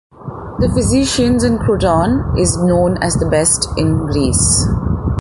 The physicians in Croton is known as the best in Greece.